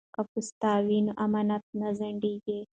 که پوست وي نو امانت نه ځنډیږي.